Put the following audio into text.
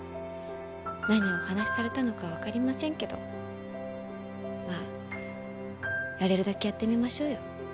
何をお話しされたのか分かりませんけどまあやれるだけやってみましょうよ。